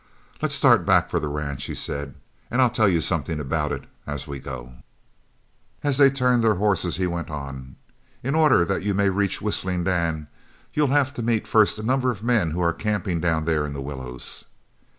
"Let's start back for the ranch," he said, "and I'll tell you something about it as we go." As they turned their horses he went on: "In order that you may reach Whistling Dan, you'll have to meet first a number of men who are camping down there in the willows."